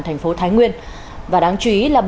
thành phố thái nguyên và đáng chú ý là